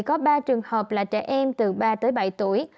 có ba trường hợp là trẻ em từ ba tới bảy tuổi